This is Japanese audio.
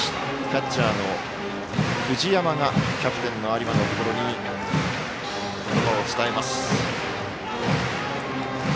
キャッチャーの藤山がキャプテンの有馬のところに言葉を伝えます。